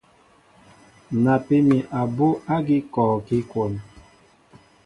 Napí mi abú ágí kɔɔkí kwón.